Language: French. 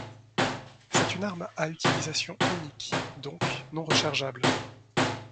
C'est une arme à utilisation unique, donc non rechargeable.